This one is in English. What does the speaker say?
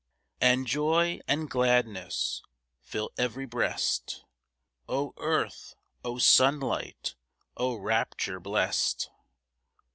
And joy and gladness Fill ev'ry breast! Oh earth! oh sunlight! Oh rapture blest!